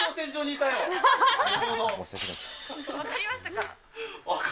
分かりましたか？